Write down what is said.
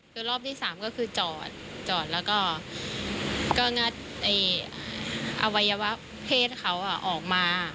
คือรอบที่๓ก็คือจอดจอดแล้วก็งัดอวัยวะเพศเขาออกมา